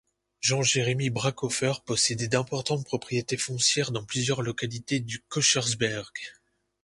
Jean-Jérémie Brackenhoffer possédait d'importantes propriétés foncières dans plusieurs localités du Kochersberg.